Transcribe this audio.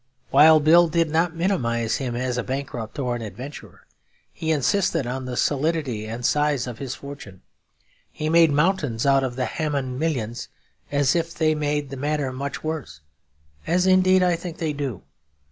Wild Bill did not minimise him as a bankrupt or an adventurer; he insisted on the solidity and size of his fortune, he made mountains out of the 'Hamon millions,' as if they made the matter much worse; as indeed I think they do.